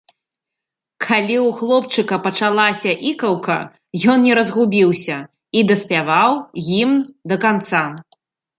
Калі ў хлопчыка пачалася ікаўка, ён не разгубіўся і даспяваў гімн да канца.